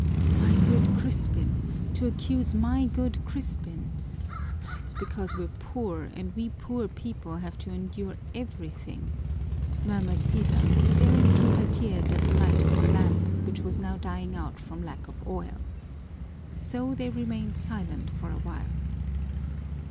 "My good Crispin! To accuse my good Crispin! It's because we're poor and we poor people have to endure everything!" murmured Sisa, staring through her tears at the light of the lamp, which was now dying out from lack of oil. So they remained silent for a while.